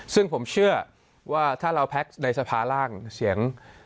ซึ่งผมเชื่อว่าถ้าเราแพ็คในสภาร่างเสียง